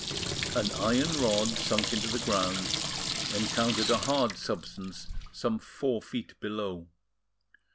An iron rod sunk into the ground, encountered a hard substance some four feet below.